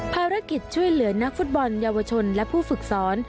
ภารกิจช่วยเหลือนักฟุตบอลเยาวชนและผู้ฝึกสอน